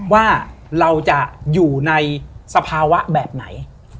ว่าเราจะอยู่ในสภาวะแบบไหน